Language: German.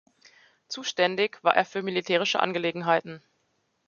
Zuständig war er für militärische Angelegenheiten.